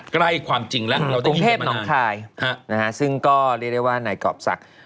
ใกล้ความจริงแล้วกรุงเทพน้องคายซึ่งก็เรียกได้ว่านายกรอบศักดิ์